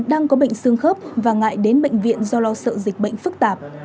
đang có bệnh xương khớp và ngại đến bệnh viện do lo sợ dịch bệnh phức tạp